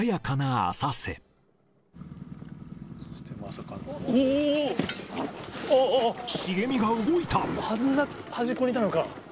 あんな端っこにいたのか。